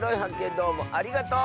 どうもありがとう！